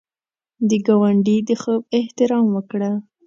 د ګاونډي د خوب احترام وکړه